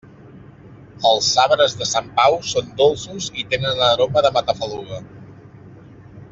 Els sabres de Sant Pau són dolços i tenen aroma de matafaluga.